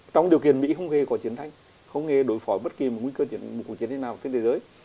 trong điều kiện mỹ không nghe có chiến tranh không nghe đối phó với bất kỳ nguy cơ chiến thắng nào trên thế giới